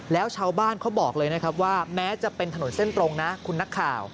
แล้วชาวบ้านเขาบอกเลยนะครับว่าแม้จะเป็นถนนเส้นตรงนะคุณนักข่าว